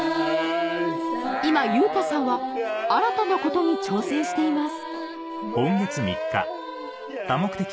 今優太さんは新たなことに挑戦しています